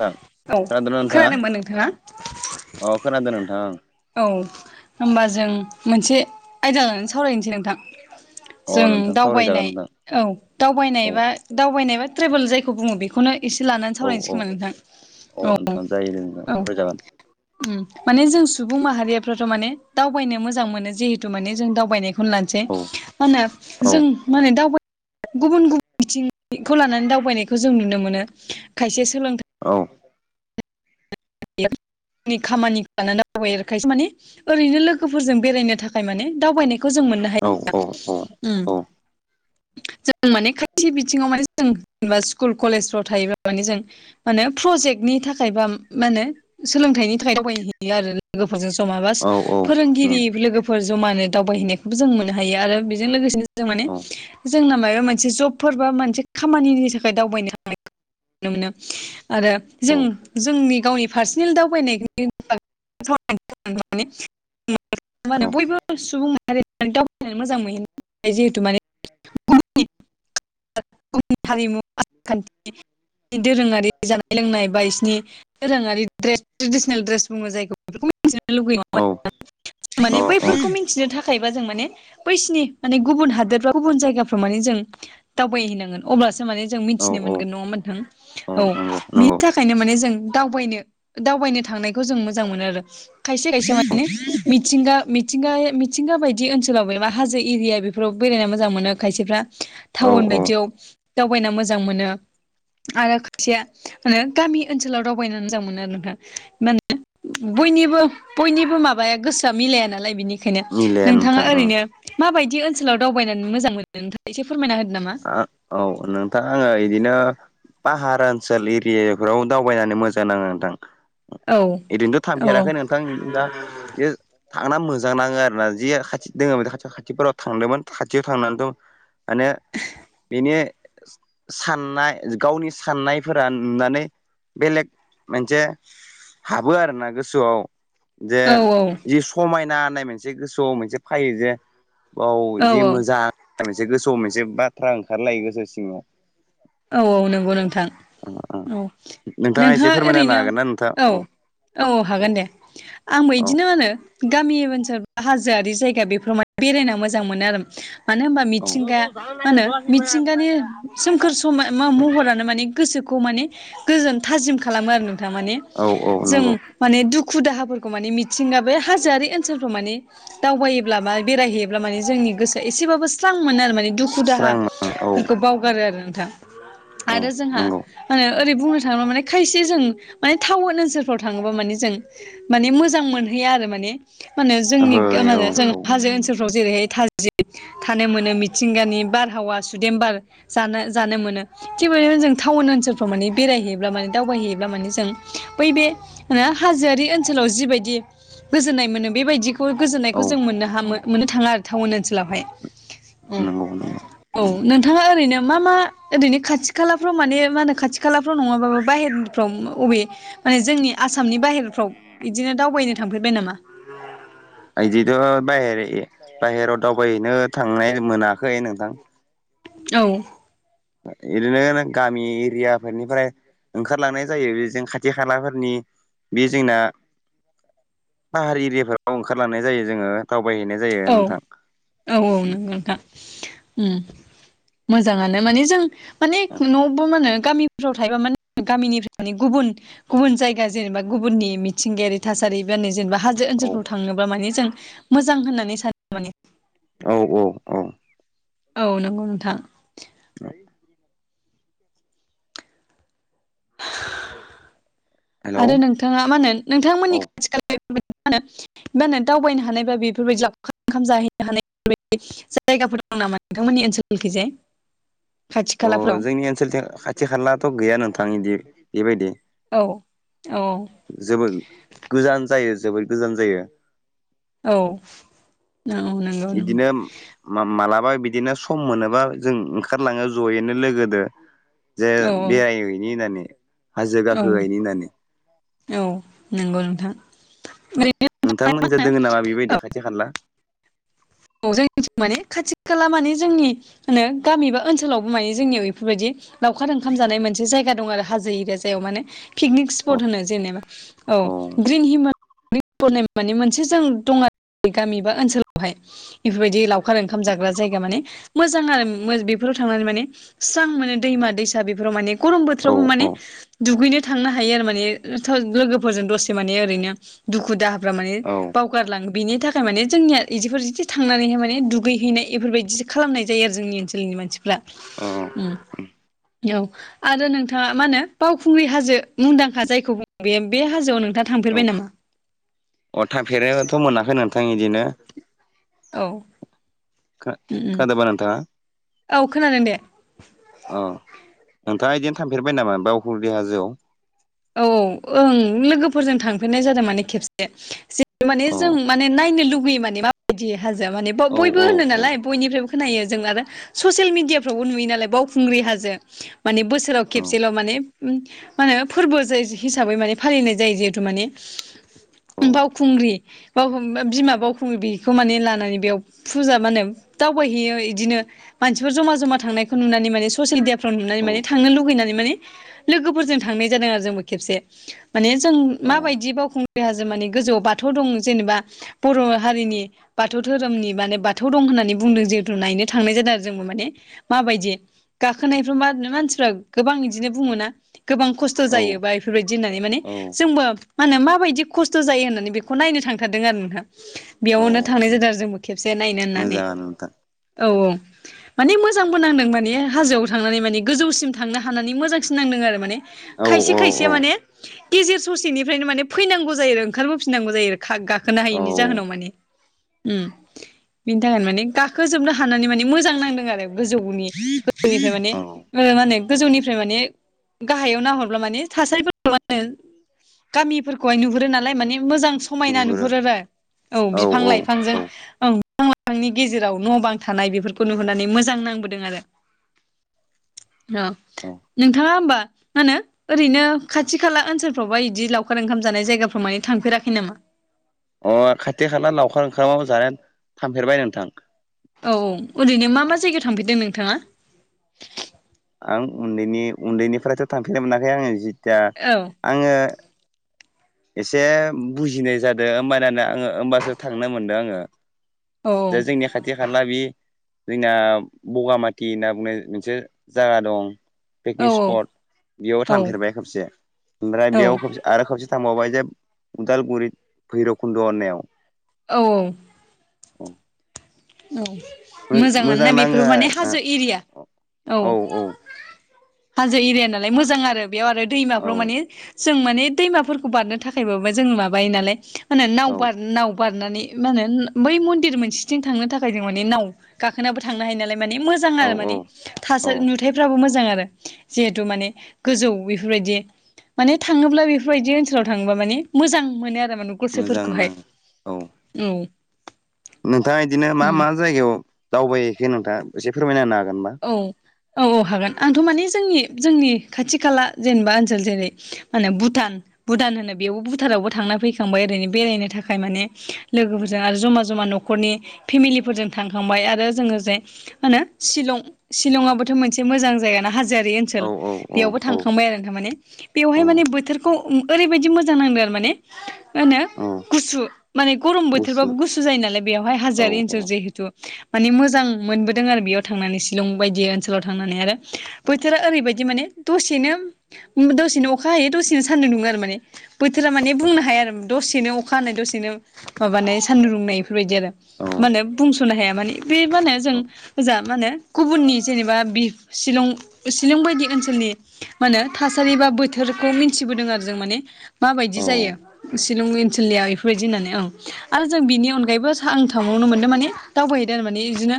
नोंथां औ खोनादोंना नोंथाङा खोनादोंमोन नोंथाङा। अ खोनादों नोंथां औ होनबा जों मोनसे आयदा लानानै सावरायनोसै नोंथां। अ जों नोंथां सावरायजागोन दावबायनाय। नोंथां औ दावबायनाय औ बा दावबायनायबा ट्रेबेल जायखौ बुङो बेखौनो एसे लानानै औ औ सावरायनोसैगोन। नोंथां अ नोंथां जायो दे नोंथां औ सावरायजागोन औ। माने जों सुबुं माहारियाफ्राथ' माने दावबायनो मोजां मोनो जिहेतु माने जों दावबायनायखौ खौनो लानोसै औ मा होनो औ जों मा होनो दावबायनाय। गुबुन गुबुन बिथिंखौ लानानै दावबायनायखौ जों नुनो मोनो खायसे सोलोंथाइ औ। नि खामानिखौ लानानै दावबायो आरो खायसे माने ओरैनो लोगोफोरजों बेरायनो थाखाय माने दावबायनायखौ जों मोननो औ हाया। औ औ जों माने खायसे बिथिङाव माने जों जेनेबा स्कुल कलेजफ्राव थायोब्ला माने जों माने प्रजेक्टनि थाखाय बा। मा होनो सोलोंथाइनि थाखाय दावबायहैयो आरो लोगोफोरजों जमा बास औ औ उम फोरोंगिरि लोगोफोर फोर जमानो दावबायहैनायखौबो जों मोननो हायो आरो बेजों लोगोसेनो जों माने औ जोंना माबा मोनसे जबफोर बा मोनसे खामानिनि थाखाय दावबायनो हानाय। नुनो मोनो आरो जों औ जोंनि गावनि पार्सनेल दावबायनाय म मा होनो औ बयबो। सुबुं माहारि दावबाय मोजां मोनह जिहेथु माने [unintelligible] गुबुन हारिमु आसार खान्थि दोरोङारि जानाय लोंनाय बा बिसिनि [unintelligible] दोरोङारि ड्रेस ट्रेडिसनेल ड्रेस बुङो जायखौ बे मिथिनो लुबैयोाम माने बैफोरखौ औ मिथिनो थाखाय [unintelligible] बिदिबा जों माने बैसिनि गुबुन हादोर गुबुन जायगाफ्राव माने जों दावबायहैनांगोन। अब्लासो माने जों औ मिथिनो औ मोनगोन नङा मोनथां औ नंगौ बिनि नंगौ थाखायनो माने जों दावबायनो दावबायनो थांनायखौ जों मोजां मोनो आरो खायसे खायसे माने मिथिंगा मि थिंगाया मिथिंगा बायदि ओनसोलाव बेबा हाजो एरिया बेफोराव बेरायना मोजां मोनो खायसेफ्रा औ टाउन औ बायदियाव दावबायना मोजां मोनो आरो खायसेया गामि ओनसोलाव दाव बायनानै मोजां मोनो आरो दा माने [unintelligible] बयनिबो बयनिबो माबाया गोसोआ मिलाया नालाय बिनिखायनो मिलाया नोंथाङा नोंथां ओं ओरैनो माबायदि ओनसोलाव दावबायनानै मोजां मोनो नोंथाङा एसे फोरमायना होदो नामा? आ औ नोंथाङा आङो बिदिनो पाहार ओनसोल एरियाफोराव दावबायनानै मोजां नाङो नोंथां। औ इदिनोथ' औ थांफेराखै नोंथां बिदिनो दा बे थांना मोजां नाङो आरो ना जि खाथि दङ खाथि खाथिफोराव थांदोंमोन खाथियाव थांनानैथ' मानो बिनि साननाय गावनि साननायफोरा नुनानै बेलेग मोनसे हाबो आरो ना गोसोआव। जे औ जि समायना होननाय मोनसे गोसोआव मोनसे फैयो जे औ जि मोजां मोनसे गोसोआव मोनसे बाथ्रा ओंखारलायो गोसो सिङाव औ औ नंगौ नोंथां औ। एसे नोंथाङा फोरमायना होनो ओरैनो हागोन ना नोंथां औ औ हागोन दे आंबो औ बिदिनो आरो। गामि ओनसोल हाजोआरि जायगा बेफोराव मान बेरायना मोजां मोनो आरो। मानो होनबा मिथिंगाया मा होनो मिथिंगानि सोम खोर सम महरानो माने गोसोखौ माने गोजोन थाजिम खालामो आरो नोंथाङा माने औ औ जों नंगौ माने दुखु दाहाफोरखौ माने मिथिंगा बे हाजोआरि ओनसोलफोराव माने दावबायोब्ला बा बेरायहैयोब्ला माने जोंनि गोसोआ एसेबाबो स्रां मोनो आरो माने दुखु स्रां मोनो औ दाहाफोरखौ बावगारो आरो नोंथां औ आरो जोंहा नंगौ मान ओरै बुंनो थाङोब्ला माने खायसे जों माने टाउन ओनसोलफ्राव थाङोबा माने जों माने मोजां मोनहैया आरो माने माने जोंनि ओहो मा होनो जों औ औ हाजो ओनसोलफ्राव जेरैहाय थाजिम थानो मोनो मिथिंगानि बारहावा सुदेम बार जानो जानो मोनो थिग बेबायदिनो जों टाउन ओनसोलफ्राव माने बेरायहैयोब्ला माने दावबायहैयोब्ला माने जों बै बे हाजोआरि ओनसोलाव जिबायदि गोजोन्नाय मोनो बेबायदि बेफोर औ गोजोन्नायखौ जों मोननो हा मोननो थाङा आरो टाउन ओनसोलावहाय नंगौ नंगौ औ नोंथाङा ओरैनो मा मा ओरैनो खाथि खालाफ्राव माने मा होनो खाथि खालाफ्राव नङाबाबो बाहेरफ्राव अबे माने जोंनि आसामनि बाहेरफ्राव बिदिनो दावबायनो थांफेरबाय नामा बिदिथ' [unintelligible] बेर बाहेराव दावबायहैनो थांनाय मोनाखै नोंथां औ इदिनो गामि एरियाफोरनिफ्राय ओंखारलांनाय जायो बेजों खाथि खालाफोरनि बे जोंना पाहार एरियाफोराव ओंखारलांनाय जायो जोङो दावबायहैनाय जायो औ नोंथां औ औ नोंगौ नोंथां मोजाङानो माने जों माने न'बो मा होनो गामिफ्राव थायोबा माने गामिनिफ्राय माने गुबुन गुबुन जायगा जेनेबा गुबुननि मिथिंगायारि थासारिबा नै जेनेबा हाजो औ ओनसोलफ्राव थांङोबा माने जों मोजां होननानै सानो माने औ औ औ औ नंगौ नोंथां [inaudible] हेलौ आरो नोंथाङा मा होनो औ नोंथांमोननि खाथि खाला [unintelligible] मा होनो मा होनो दावबायनो हानाय बा बेफोरबायदि लाउखार ओंखाम जाहैनो हानाय [unintelligible] बेफोरबायदि जायगाफोर दं नामा नोंथांमोननि ओनसोलखैजाय [unintelligible] खाथि खालाफ्राव अ जोंनि ओनसोलथिं खाथि खालाथ' गैया नोंथां इदि बेबायदि औ औ जोबोद गोजान जायो जोबोर गोजान जायो औ नंगौ नंगौ इदिनो मा मालाबा बिदिनो सम मोनोबा जों ओंखारलाङो जयैनो लोगोदो जे औ बेराय हैनि होननानै हाजो औ गाखो हैनि होननानै औ नंगौ नोंथां औ नोंथांमोनजों दोङो नामा बेबायदि खाथि खाला ओ जोंनिथिं माने खाथि खाला माने जोंनि [unintelligible] माहोनो गामि बा ओनसोलावबो माने जोंनियाव बेफोरबायदि लावखार ओंखाम जानाय मोनसे जायगा दं आरो हाजो एरिया जायाव माने पिकनिक औ स्पट होनो जेनेबा औ ग्रिन हिमा [unintelligible] हिमालय माने मोनसे जों दं आरो गामि एबा ओनसोलाव बेफोरबायदि लावखार ओंखाम जाग्रा जायगा माने मोजां आरो बेफोराव थांनानै माने स्रां मोनो दैमा दैसा बेफोराव माने गरम औ बोथोरावबो औ माने दुगैनो थांनो हायो आरो माने लोगोफोरजों दसे माने ओरैनो दुखु दाहाफ्रा माने औ बावगारलाङो बेनि थाखाय माने जोंनिया इदिफोर एसे थांनानैहाय माने दुगैहैनाय बेफोरबायदिसो खालामनाय जायो आरो जोंनि ओनसोलनि मानसिफ्रा अ [inaudible] ओम औ आरो नोंथाङा मा होनो बावखुंग्रि हाजो मुंदांखा जायखौ बुं बेयो बे हाजोआव नों नोंथाङा औ थांफेरबाय नामा? अ थाफेर न' थ' मोनाखै नोंथां इदिनो औ खो खोनादोबा नोथाङा अ खोनादों दे अ नोंथाङा इदिनो थांफेरबाय नामा बावखुंग्रि हाजोआव औ ओं लोगोफोरजों थांफेरनाय जादों माने खेबसे जे माने औ जों माने नायनो लुगैयो माने माबायदि हाजोआ माने ब औ बयबो औ होनो औ नालाय बयनिफ्रायबो खोनायो जों आरो ससियेल मिडियाफ्रावबो नुयो नालाय बावखुंग्रि हाजो माने बोसोराव औ खेबसेल' माने मा होनो फोरबो जाय हिसाबै माने फालिनाय जायो जिहेथु माने औ बावखुंग्रि बाव बिमा बावखुंग्रि बेखौ माने लानानै बेयाव फुजा मा होनो दावबायहैयो इदिनो मानसिफोर जमा जमा थांनायखौ नुनानै माने ससियेल मिडियाफ्राव नुनानै औ माने थांनो लुगैनानै माने लोगोफोरजों थांनाय जादों आरो जोंबो खेबसे माने जों माबायदि बावखुं ग्रि हाजो माने गोजौआव बाथौ दं जेनेबा बर' हारिनि बाथौ धोरोमनि माने बाथौ दं होननानै बुंदों जिहेथु नायनो थांनाय जादों आरो जोंबो माने माबायदि गाखोनायफ्राव मा मानसिफ्रा गोबां बिदिनो बुङो ना गोबां खस थ'' औ जायोबा एफोरबायदि होननानै माने औ जोंबो मा होनो माबायदि खस्थ' जायो होननानै बेखौ नायनो थांथारदों आरो नोंथां औ बेयावनो थांनाय जादों आरो जोंबो खेबसे नायनो होननानै मोजाङानो नोंथां औ औ माने मोजांबो नांदों माने हाजोआव थांनानै माने गोजौसिम थांनो हानानै मोजांसिन नांदों आरो माने औ खायसे औ औ खायसेया माने गेजेर ससेनिफ्रायनो माने फैनांगौ जायो आरो ओंखारबोफिनांगौ जायो आरो गाखोनो हायिनि औ जाहोनाव माने बिनि थाखायनो माने गाखोजोबनो हानानै माने मोजां नांदों आरो गोजौनि गोजौनिफ्राय माने औ मा होनो गोजौनिफ्राय माने गाहायाव नाहर ब्ला माने थासारिफोरखौ मा होनो गामिफोरखौ नुहरो नालाय मानि मोजां समायना नुहुरो आरो औ बिफां लाइफांजों औ बिफां लाइफांनि गेजेराव न' बां थानाय बेफोरखौ नुहुरनानै मोजां नांबोदों आरो औ नोंथाङा होमबा मा होनो ओरैनो खाथि खाला ओनसोलफ्रावबा इदि लावखार ओंखाम जानाय जायगाफ्राव माने थांफेराखै नामा अ खाथि खाला लावखार ओंखाम जानायानो थांफेरबाय नोंथां औ ओरैनो मा मा जायगायाव थांफेरदों नोंथाङा आं उन्दैनि उन्दैनिफ्रायथ' थांफेरनो मोनाखै आङो जिथिया औ आङो एसे बुजिनाय जादों ओमबानिया आङो होमबासो थांनो मोनदो आङो औ दा जोंनि खाथि खाला बे जोंना बगामाथि होनना बुंनाय मोनसे जागा दं औ पिकनिक स्पट बेयाव औ थांफेरबाय खेबसे ओमफ्राय औ बेयाव खबसे आरो खबसे थांबावबाय जे उदालगुरि भैरबखुन्द' होननायाव औ औ औ मोजाङानो ना मोजां बेफोर नाङो माने आरो हाजो एरिया औ हाजो एरिया नालाय मोजां आरो बेयाव आरो औ दैमाफ्राव माने जों माने दैमाफोरखौ बारनो थाखायबाबो जों माबायो नालाय मा होनो नाव औ बार नाव बारनानै मा होनो बै मन्दिर मोनसेथिं थांनो थाखाय जों माने नाव गाखोनाबो थांनो हायो नालाय माने मोजां औ आरो माने औ औ थासारि नुथायफ्राबो मोजां आरो जिहेथु माने गोजौ बेफोरबायदि माने थाङोब्ला बेफोरबायदि ओनसोलाव थाङोबा माने मोजां मोनो आरो माने मोजां गोसोफोरखौहाय नाङो औ नोंथाङा इदिनो मा उम मा जायगायाव दावबायहैखो नोंथाङा एसे फोरमायना होनो हागोन होनबा औ औ औ हागोन आंथ' माने जोंनि जोंनि खाथि खाला जेनेबा ओनसोल जेरै मा होनो भुटान भुटान होनो बेयावबो भुटानावबो थांना फैखांबाय ओरैनो बेरायनो थाखाय माने औ लोगोफोरजों आरो जमा जमा न' खरनि फेमिलिफोरजों थांखांबाय आरो जोङो जे मा होनो शिलं शिलंआबोथ' मोनसे मोजां जायगाना हाजोआरि औ ओनसोल औ बेयावबो थांखां औ थांखांबाय आरो थारमाने बेवहाय औ माने बोथोरखौ ओरैबायदि मोजां नांदों आरो माने होनो औ गुसु माने गरम बोथोरबाबो गुसु जायो नालाय बेयावहाय औ हाजोआरि औ ओनसोल जिहेतु माने मोजां मोनबोदों आरो बेयाव थांनानै शिलं बायदि ओनसोलाव थांनानै आरो औ बोथोरा ओरैबायदि माने दसेनो दसेनो अखा हायो दसेनो सान्दुं दुङो आरो माने। बोथोरा माने बुंनो हाया आरो दसेनो अखा हानाय दसेनो माबानाय सान्दुं दुंनाय। बेफोरबायदि आरो औ मा होनो बुंस'नो हाया माने बे मा होनो जों जा मा होनो गुबुननि जेनेबा बि शिलं शिलं बायदि ओनसोलनि माने थासारि बा बोथोरखौ मिथिबोदों आरो जों माने माबायदि औ जायो शिलंनि ओनसोलनियाव बेफोरबायदि होननानै औ आरो जों बिनि अनगायैबो आं थांबावनो मोनदों माने दावबायहैदों आरो माने बिदिनो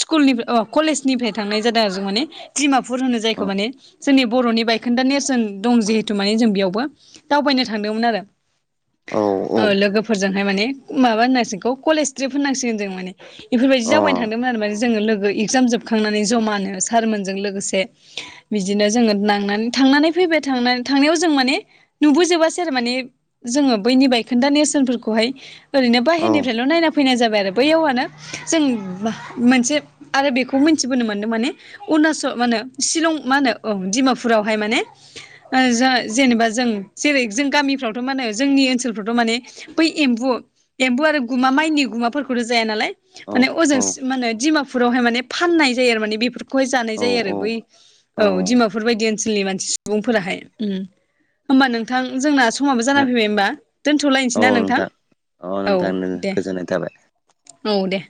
स्कुलनि ओ कलेजनिफ्राय थांनाय जादों आरो जों माने डिमापुर होनो औ अ जायखौ माने जोंनि बर'नि बायखोन्दा नेेरसन दं जिहेतु माने जों बेयावबो दावबायनो थांदोंमोन आरो। औ औ ओ लोगोफोरजोंहाय माने। माबा होननांसिग कलेज ट्रिप होननांसिगोन जों माने बेफोरबायदि दावबायनो थांदोंमोन आरो माने जोङो लोगो एगजाम जोबखांनानै जमानो सारमोनजों लोगोसे बिदिनो जोङो नांनानै थांनानै फैबाय थांनानै थांनायाव जों माने नुबोजोबासै आरो माने जोङो बैनि बायखोन्दा नेरसोनफोरखौहाय ओरैनो बाहेरनिफ्रायल' नायना फैनाय जाबाय आरो बै औआनो जों मोनसे आरो बेखौ मिथिबोनो मोन्दों माने अरुणचल मा होनो शिलं मा होनो ओं डिमापुरावहाय माने जेनेबा जों जेरै जों गामिफ्रावथ' मा होनो जोंनि ओनसोलफ्रावथ' माने बै एम्बु एम्बु आरो गुमा माइनि गुमाफोरखौथ' जाया नालाय माने अजों औ माने डिमापुरावहाय माने फाननाय जायो आरो माने बेफोरखौहाय जानाय जायो आरो औ बै औ डिमापुर बायदि ओनसोलनि मानसि सुबुंफोराहाय उम होमबा नोंथां जोंना समाबो जाना फैबाय होमबा दोनथ'लायनोसै ना नोंथां अ औ नोंथां दे। गोजोननाय थाबाय। औ दे